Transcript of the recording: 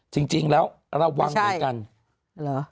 จริงแล้วระวังเหมือนกันเหรอ